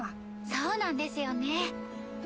そうなんですよね。